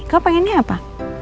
kau pengennya apa